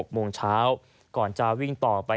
๖โมงเช้าก่อนจะวิ่งต่อไป